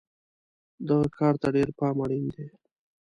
دغه کار ته ډېر پام اړین دی.